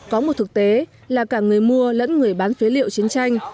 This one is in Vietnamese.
có một thực tế là cả người mua lẫn người bán phế liệu chiến tranh